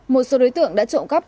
một số đối tượng đã trộm cắp